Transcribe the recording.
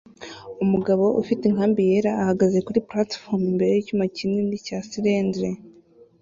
Umugabo ufite inkambi yera ahagaze kuri platifomu imbere yicyuma kinini cya silinderi